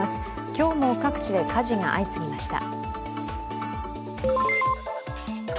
今日も各地で火事が相次ぎました。